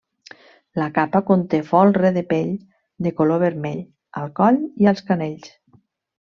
La capa conté folre de pell de color vermell al coll i els canells.